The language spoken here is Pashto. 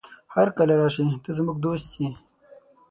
هرکله راشې، ته زموږ دوست يې.